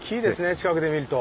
近くで見ると。